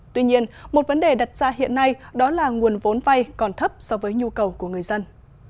tuy nhiên một vấn đề đặt ra hiện nay đó là nguồn vốn vay còn thấp so với nhu cầu của người dân